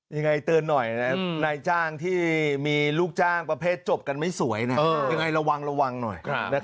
ยังไงเตือนหน่อยนะนายจ้างที่มีลูกจ้างประเภทจบกันไม่สวยยังไงระวังระวังหน่อย